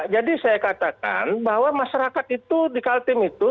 jadi saya katakan bahwa masyarakat itu di kaltim itu